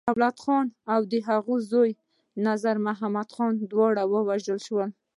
دولت خان او د هغه زوی نظرمحمد خان، دواړه يې ووژل.